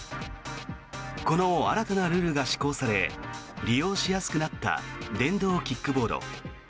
この新たなルールが施行され利用しやすくなった電動キックボード。